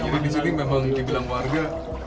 jadi di sini memang dibilang warga